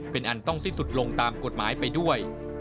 เป็นอันต้องสิ้นสุดลงตามกฎหมายไปด้วย